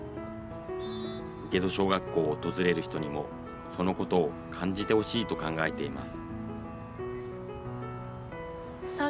請戸小学校を訪れる人にも、そのことを感じてほしいと考えています。